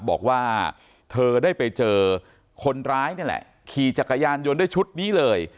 บอกว่าเธอได้ไปเจอคนร้ายนี่แหละขี่จักรยานยนต์ด้วยชุดนี้เลย